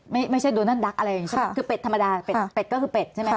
ไม่ไม่ใช่อะไรใช่ไหมคือเป็ดธรรมดาเป็ดก็คือเป็ดใช่ไหม